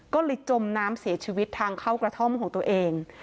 ก็เลยจมน้ำเสียชีวิตทางเข้ากระท่อมของตัวเอง